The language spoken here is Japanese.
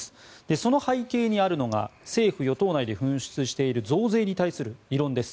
その背景にあるのが政府・与党内で噴出している増税に対する異論です。